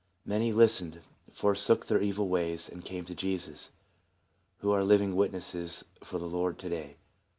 Many listened, forsook their evil ways, and came to Jesus, who are living wit nesses for the Lord to day.